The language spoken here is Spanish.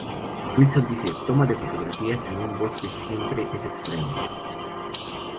Wilson dice, "Toma de fotografías en un bosque siempre es extraño.